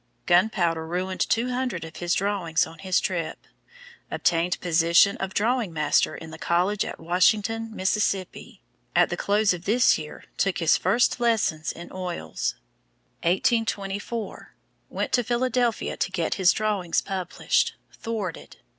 Gunpowder ruined two hundred of his drawings on this trip. Obtained position of Drawing master in the college at Washington, Mississippi. At the close of this year took his first lessons in oils. 1824 Went to Philadelphia to get his drawings published. Thwarted.